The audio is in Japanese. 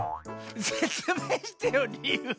⁉せつめいしてよりゆうを。